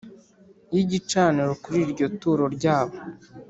y igicaniro Kuri iryo turo ryabo